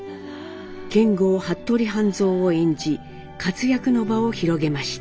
剣豪・服部半蔵を演じ活躍の場を広げました。